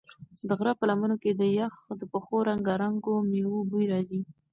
د غره په لمنو کې د پخو رنګارنګو مېوو بوی راځي.